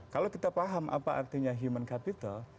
kalau kita paham apa artinya human capital